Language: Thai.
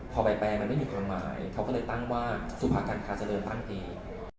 พอไปแปลว่ามันไม่มีคำหมายเขาก็เลยตั้งว่าสุภาการคาเจริญตั้งปี